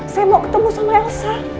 saya mau ketemu sama elsa